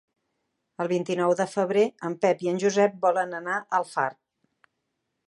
El vint-i-nou de febrer en Pep i en Josep volen anar a Alfarb.